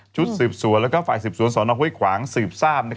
ชุดสืบสวนและฝ่ายสืบสวนสนห้วยขวางสืบทราบ